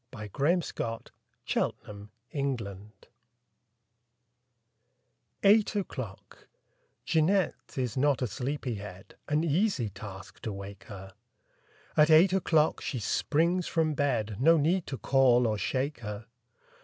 % P. 1 A PARIS PAIR A PARIS PAIR EIGHT O'CLOCK J EANETTE is not a sleepy head; An easy task, to wake her! At eight o'clock she springs from bed No need to call or shake her.